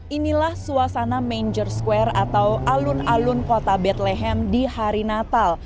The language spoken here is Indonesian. inilah suasana manger square atau alun alun kota betleham di hari natal